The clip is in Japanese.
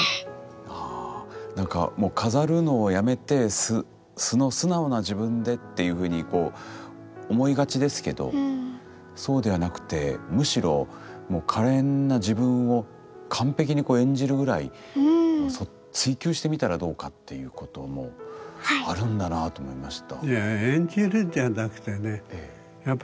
なんかもう飾るのをやめて素の素直な自分でっていうふうに思いがちですけどそうではなくてむしろもう可憐な自分を完璧にこう演じるぐらい追求してみたらどうかっていうこともあるんだなと思いました。